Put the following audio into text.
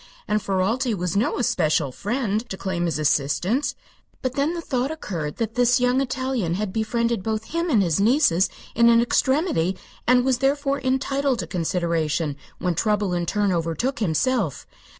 And Ferralti was no especial friend, to claim his assistance. But then the thought occurred that this young Italian had befriended both him and his nieces in an extremity, and was therefore entitled to consideration when trouble in turn overtook himself.